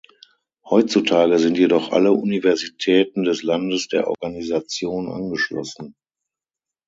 Heutzutage sind jedoch alle Universitäten des Landes der Organisation angeschlossen.